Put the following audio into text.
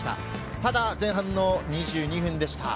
ただ前半２２分でした。